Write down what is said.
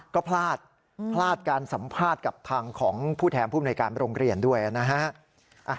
ก็พลาดพลาดการสัมภาษณ์กับทางของผู้แทนภูมิในการโรงเรียนด้วยนะฮะ